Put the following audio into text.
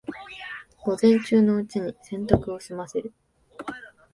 午前中のうちに洗濯を済ませる